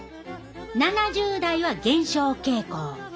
７０代は減少傾向。